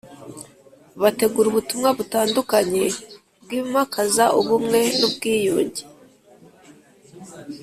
Bategura ubutumwa butandukanye bwimakaza ubumwe n ubwiyunge